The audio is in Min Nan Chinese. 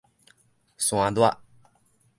山剌